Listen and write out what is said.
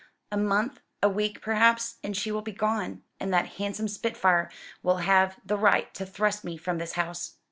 A month a week, perhaps and she will be gone: and that handsome spitfire will have the right to thrust me from this house.